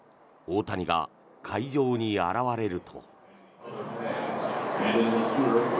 大谷が会場に現れると。